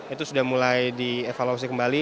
itu sudah mulai dievaluasi kembali